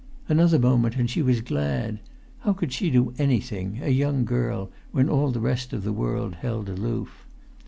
Another moment and she was glad: how could she do anything, a young girl, when all the rest of the world held aloof?